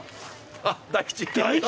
あっ大吉。